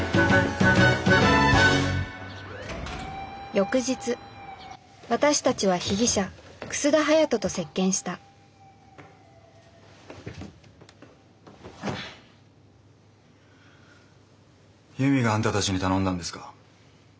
翌日私たちは被疑者楠田隼人と接見した悠美があんたたちに頼んだんですか？